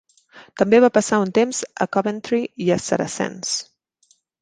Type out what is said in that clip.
També va passar un temps a Coventry i a Saracens.